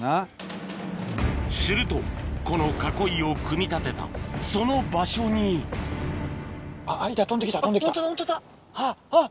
するとこの囲いを組み立てたその場所にホントだホントだ。